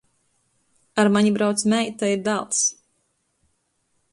Ar mani brauc meita i dāls.